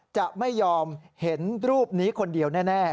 จะไม่ยอมเห็นรูปนี้คนเดียวแน่